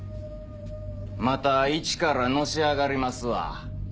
またイチからのし上がりますわ。